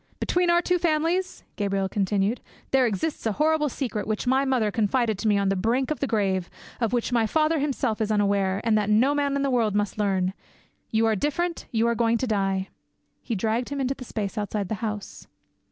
"Between our two families," Gabriel continued, "there exists a horrible secret which my mother confided to me on the brink of the grave, of which my father himself is unaware, and that no man in the world must learn. You are different, you are going to die." He dragged him into the space outside the house.